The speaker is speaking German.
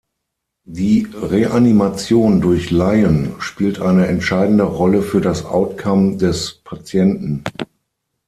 Die Reanimation durch Laien spielt eine entscheidende Rolle für das Outcome des Patienten.